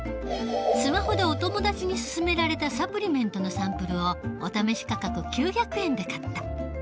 スマホでお友達に薦められたサプリメントのサンプルをお試し価格９００円で買った。